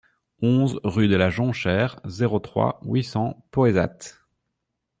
onze rue de la Jonchère, zéro trois, huit cents Poëzat